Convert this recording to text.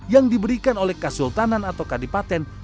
yang diberikan oleh kasultanan atau kadipaten